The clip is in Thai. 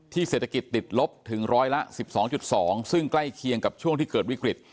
เศรษฐกิจติดลบถึงร้อยละ๑๒๒ซึ่งใกล้เคียงกับช่วงที่เกิดวิกฤต